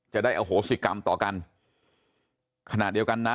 จะได้อโหสิกรรมต่อกันขณะเดียวกันนะ